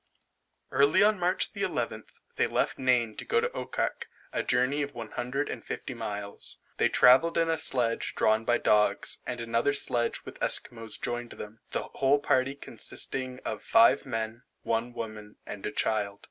Early on March the 11th, they left Nain to go to Okkak, a journey of 150 miles. They travelled in a sledge drawn by dogs, and another sledge with Esquimaux joined them, the whole party consisting of five men, one woman, and a child.